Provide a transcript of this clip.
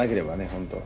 本当